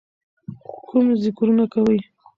کوم ذِکرونه کوئ،